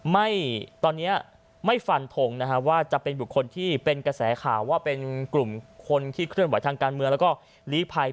ตอนนี้ไม่ฟันทงนะฮะว่าจะเป็นบุคคลที่เป็นกระแสข่าวว่าเป็นกลุ่มคนที่เคลื่อนไหวทางการเมืองแล้วก็ลีภัย